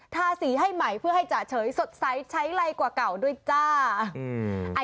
ทาสีให้ใหม่เพื่อให้จ่าเฉยสดใสใช้ไรกว่าเก่าด้วยจ้า